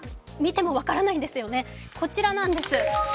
見ても分からないんですよね、こちらなんです。